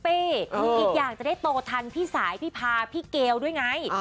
อีกอย่างจะได้โตทันพี่สายพี่พาพี่เกลด้วยไง